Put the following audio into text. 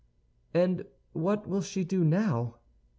"And what will she do now?"